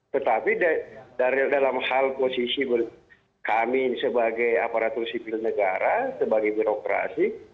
tetapi dalam hal posisi kami sebagai aparatur sipil negara sebagai birokrasi